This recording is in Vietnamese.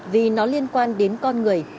vì nó liên quan đến con người